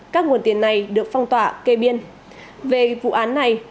các nguồn tiền này được phong tỏa kê biên